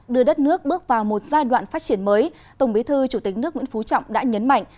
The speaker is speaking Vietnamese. đưa đất nước bước vào một giai đoạn phát triển mới tổng bí thư chủ tịch nước nguyễn phú trọng đã nhấn mạnh